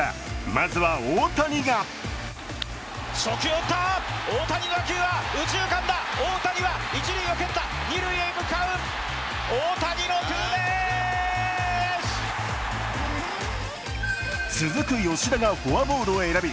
まずは大谷が続く吉田がフォアボールを選び